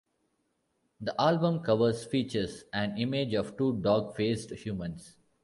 The album cover features an image of two dog-faced humans.